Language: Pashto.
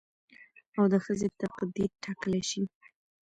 او د ښځې تقدير ټاکلى شي